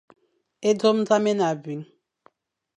É ndo zam é ne abua.